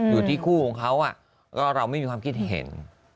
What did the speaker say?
อยู่ที่คู่ของเขาก็เราไม่มีความคิดเห็น